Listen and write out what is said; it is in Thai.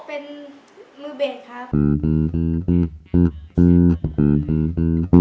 เป็นมือเบ็ดครับ